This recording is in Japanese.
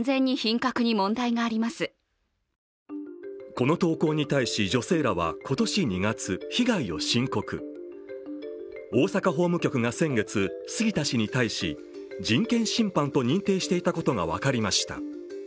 この投稿に対し女性らは今年２月、被害を申告大阪法務局が先月、杉田氏に対し人権侵犯と認定していたことが分かりました。